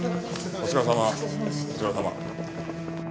お疲れさま。